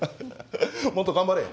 もっと頑張れよ。